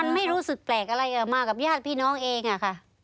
มันไม่รู้สึกแปลกอะไรกับมากับญาติพี่น้องเองอะค่ะ